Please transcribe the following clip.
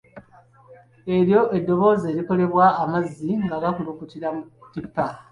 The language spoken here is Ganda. Eryo ddoboozi erikolebwa amazzi nga gakulukutira ku ttimpa.